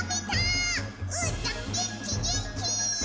うーたんげんきげんき！